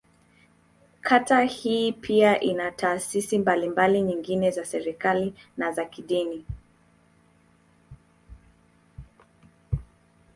Kata hii pia ina taasisi mbalimbali nyingine za serikali, na za kidini.